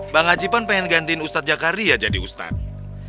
bang ajipan pengen gantiin ustadz jakari ya jadi ustadz